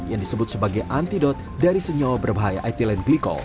yang disebut sebagai antidot dari senyawa berbahaya etilen glikol